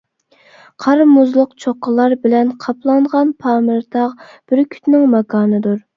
قار مۇزلۇق چوققىلار بىلەن قاپلانغان پامىر تاغ بۈركۈتىنىڭ ماكانىدۇر.